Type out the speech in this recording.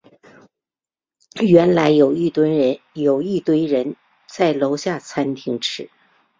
原来有一堆人都在楼下餐厅吃